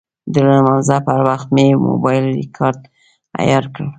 د لمانځه پر وخت مې موبایل ریکاډر عیار کړ.